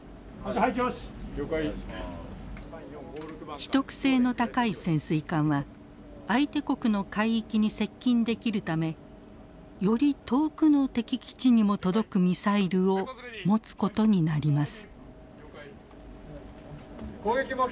秘匿性の高い潜水艦は相手国の海域に接近できるためより遠くの敵基地にも届くミサイルを持つことになります。